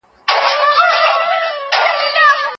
هغه څېړونکی چي اثر معلوم کړي بریالی به سي.